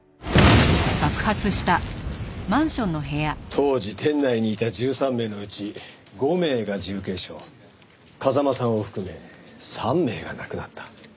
当時店内にいた１３名のうち５名が重軽傷風間さんを含め３名が亡くなった。